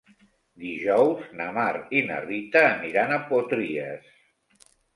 Dijous na Mar i na Rita aniran a Potries.